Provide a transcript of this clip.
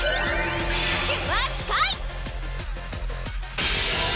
キュアスカイ！